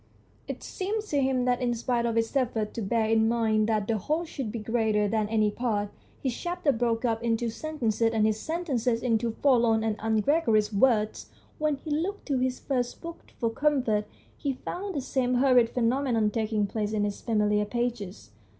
It seemed to him that in spite of his effort to bear in mind that the whole should be greater than any part, his chapters broke up into sentences and his sentences into forlorn and ungregarious words. When he looked to his first book for comfort he found the same horrid phenomenon taking place in its familiar pages.